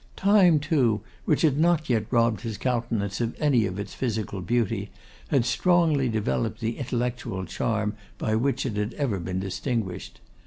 Time, too, which had not yet robbed his countenance of any of its physical beauty, had strongly developed the intellectual charm by which it had ever been distinguished.